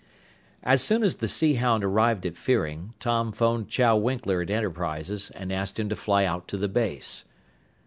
As soon as the Sea Hound arrived at Fearing, Tom phoned Chow Winkler at Enterprises and asked him to fly out to the base.